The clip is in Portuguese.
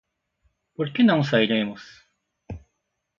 Por que não sairemos?